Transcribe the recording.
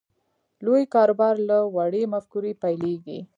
لوی کاروبار له وړې مفکورې پیلېږي